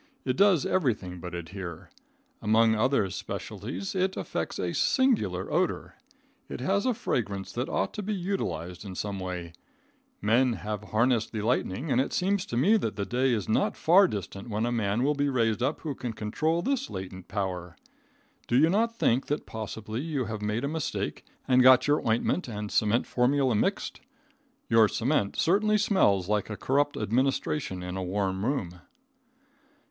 It does everything but adhere. Among other specialties it effects a singular odor. It has a fragrance that ought to be utilized in some way. Men have harnessed the lightning, and it seems to me that the day is not far distant when a man will be raised up who can control this latent power. Do you not think that possibly you have made a mistake and got your ointment and cement formula mixed? Your cement certainly smells like a corrupt administration in a warm room.